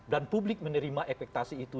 dan publik menerima ekspektasi itu